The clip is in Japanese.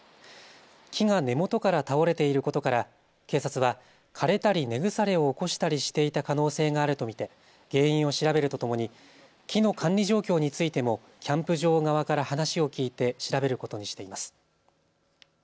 木が根元から倒れていることから警察は枯れたり、根腐れを起こしたりしていた可能性があると見て原因を調べるとともに木の管理状況についてもキャンプ場側から話を聞いて調べることにしています。